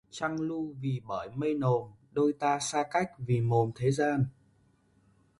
Trăng lu vì bởi mây mồm, đôi ta xa cách vì mồm thế gian